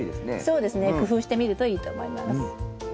そうですね。工夫してみるといいと思います。